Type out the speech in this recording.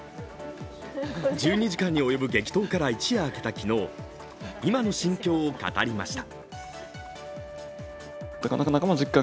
１２時間に及ぶ激闘から一夜明けた昨日、今の心境を語りました。